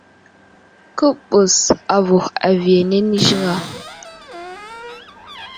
Kə ɓes avuh aviyenene ziŋ a ?